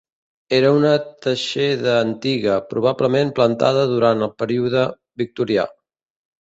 Era una teixeda antiga, probablement plantada durant el període victorià.